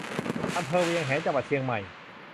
อำเภอเวียงแหง จังหวัดเชียงใหม่